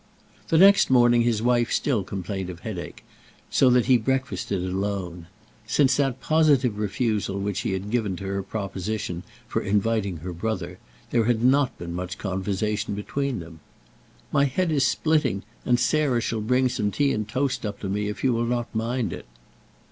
The next morning his wife still complained of headache, so that he breakfasted alone. Since that positive refusal which he had given to her proposition for inviting her brother, there had not been much conversation between them. "My head is splitting, and Sarah shall bring some tea and toast up to me, if you will not mind it."